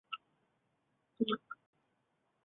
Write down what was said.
独山翁奇兔场上街布依族人。